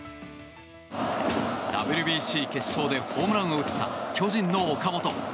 ＷＢＣ決勝でホームランを打った巨人の岡本。